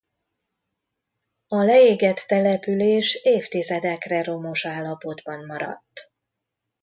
A leégett település évtizedekre romos állapotban maradt.